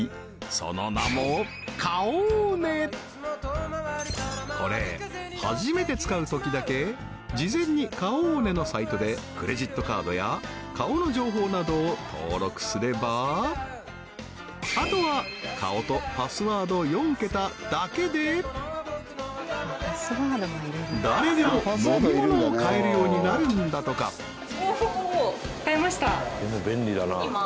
その名もカオーネこれ初めて使うときだけ事前にカオーネのサイトでクレジットカードや顔の情報などを登録すればあとは顔とパスワード４桁だけで誰でも飲み物を買えるようになるんだとかおお買えました